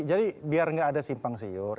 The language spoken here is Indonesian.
jadi biar enggak ada simpang siur